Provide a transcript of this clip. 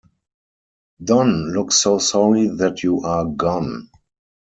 Don looks so sorry that you are gone.